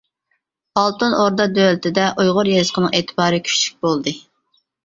ئالتۇن ئوردا دۆلىتىدە ئۇيغۇر يېزىقىنىڭ ئېتىبارى كۈچلۈك بولدى.